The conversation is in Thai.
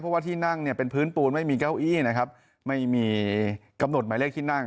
เพราะว่าที่นั่งเนี่ยเป็นพื้นปูนไม่มีเก้าอี้นะครับไม่มีกำหนดหมายเลขที่นั่ง